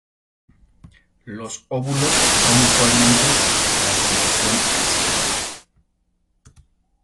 Los óvulos son usualmente de placentación axilar.